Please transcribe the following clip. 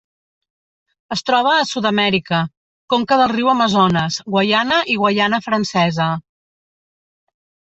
Es troba a Sud-amèrica: conca del riu Amazones, Guaiana i Guaiana Francesa.